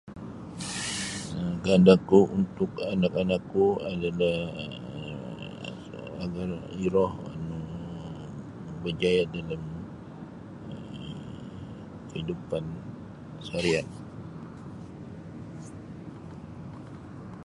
um Kaandakku untuk anak-anakku adalah um adalah iro nu um berjaya dalam um keidupan seharian.